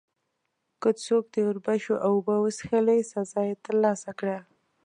که څوک د اوربشو اوبه وڅښلې، سزا یې ترلاسه کړه.